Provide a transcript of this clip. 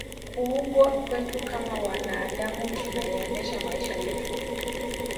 kuubwa kwetu kama wanaadamu tunayaendesha maisha yetu